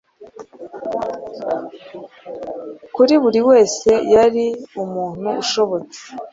Kuri buriwese yari Umuntuushobotse